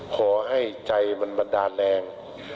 ขอให้ใจมันบันดาลแรง